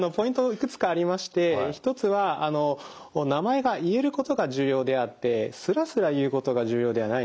いくつかありまして１つは名前が言えることが重要であってすらすら言うことが重要ではないんですね。